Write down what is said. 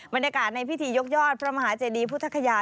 บรรยากาศในพิธียกยอดพระมหาเจดีพุทธคยา